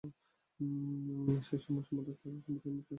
সেই সময় সম্পাদক তাঁকে কাম্পুচিয়া ত্যাগ করতে বললেও তিনি সেখানে থেকে যান।